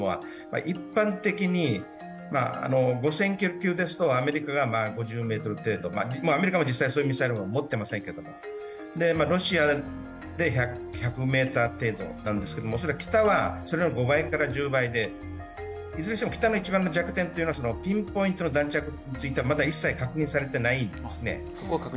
一般的に、５０００ｋｍ級ですとアメリカが５０ｍ程度、アメリカも実際そういうミサイルを持っていませんけども、ロシアで１００ｍ程度なんですけどもおそらく北はそれの５倍から１０倍で、いずれにしても北の一番の弱点はピンポイントの弾着は一切確認されていないんですね。